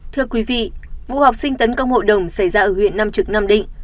thưa quý vị vụ học sinh tấn công hội đồng xảy ra ở huyện nam trực nam định